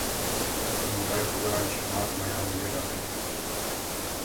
Нимогай пудыранчыкымат мый ом йӧрате.